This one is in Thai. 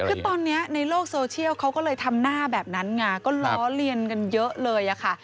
คือตอนนี้ในโลกโซเชียลเขาก็เลยทำหน้าแบบนั้นไงก็ล้อเลียนกันเยอะเลยค่ะ